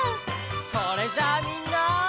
それじゃあみんな！